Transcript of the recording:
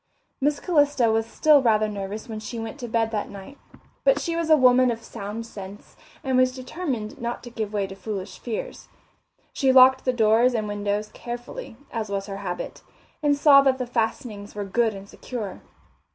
Miss Calista was still rather nervous when she went to bed that night, but she was a woman of sound sense and was determined not to give way to foolish fears. She locked doors and windows carefully, as was her habit, and saw that the fastenings were good and secure.